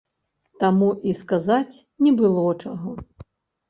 Таму і сказаць не было чаго.